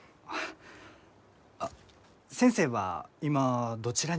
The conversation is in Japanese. あっ先生は今どちらに？